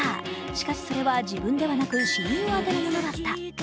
しかし、それは自分ではなく親友宛てのものだった。